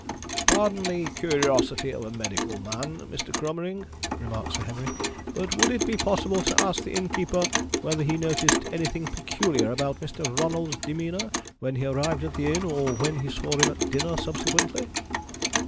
"Pardon the curiosity of a medical man, Mr. Cromering," remarked Sir Henry, "but would it be possible to ask the innkeeper whether he noticed anything peculiar about Mr. Ronald's demeanour, when he arrived at the inn, or when he saw him at dinner subsequently?"